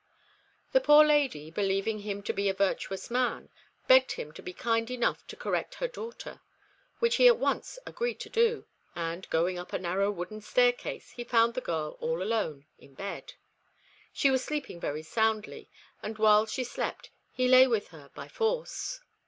The poor lady, believing him to be a virtuous man, begged him to be kind enough to correct her daughter, which he at once agreed to do, and, going up a narrow wooden staircase, he found the girl all alone in bed. She was sleeping very soundly, and while she slept he lay with her by force.